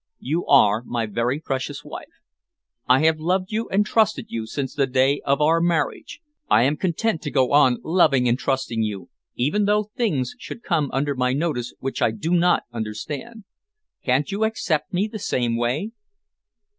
You are my very precious wife. I have loved you and trusted you since the day of our marriage. I am content to go on loving and trusting you, even though things should come under my notice which I do not understand. Can't you accept me the same way?"